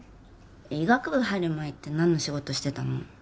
医学部入る前ってなんの仕事してたの？